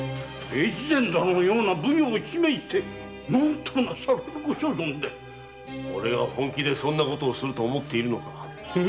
越前殿のような奉行を罷免して何となさるご所存で⁉俺が本気でそんなことをすると思っているのか。